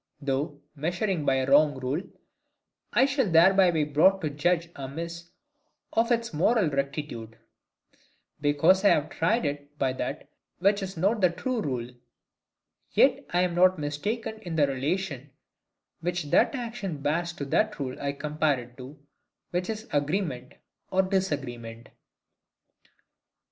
Though, measuring by a wrong rule, I shall thereby be brought to judge amiss of its moral rectitude; because I have tried it by that which is not the true rule: yet I am not mistaken in the relation which that action bears to that rule I compare it to, which is agreement or disagreement.